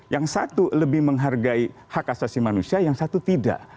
yang satu lebih menghargai hak asasi manusia yang satu tidak